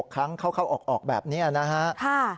ครั้งเข้าออกแบบนี้นะฮะ